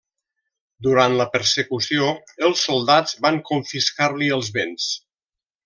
Durant la persecució, els soldats van confiscar-li els béns.